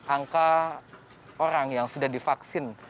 angka orang yang sudah divaksin